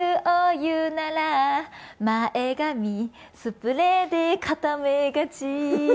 熱いあるあるを言うなら前髪スプレーで固めがち。